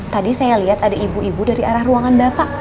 tadi saya lihat ada ibu ibu dari arah ruangan bapak